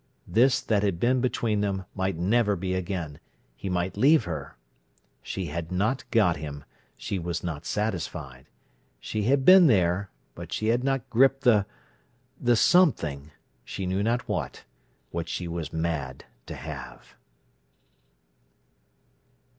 This that had been between them might never be again; he might leave her. She had not got him; she was not satisfied. She had been there, but she had not gripped the—the something—she knew not what—which she was mad to have.